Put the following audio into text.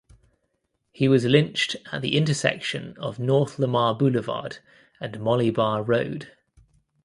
He was lynched at the intersection of North Lamar Boulevard and Molly Barr Road.